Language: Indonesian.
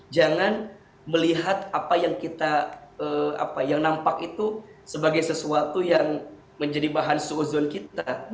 jangan melihat apa yang kita apa yang nampak itu sebagai sesuatu yang menjadi bahan zuzon kita